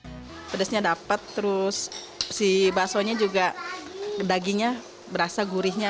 selera penggemar kuliner pedas pedasnya dapat terus si basonya juga dagingnya berasa gurihnya